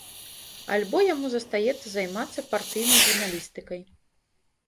Альбо яму застаецца займацца партыйнай журналістыкай.